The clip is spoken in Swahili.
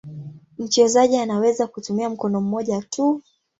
Mchezaji anaweza kutumia mkono mmoja tu.